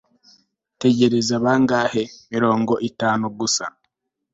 tegereza! bangahe? mirongo itanu gusa